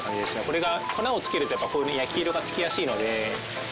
これが粉をつけるとやっぱりこういうふうに焼き色がつきやすいので。